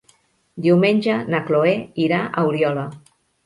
Diumenge na Chloé irà a Oriola.